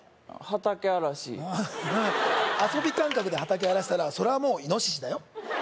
畑荒らし遊び感覚で畑荒らしたらそれはもうイノシシだよ